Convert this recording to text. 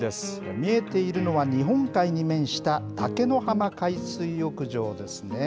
見えているのは日本海に面した竹野浜海水浴場ですね。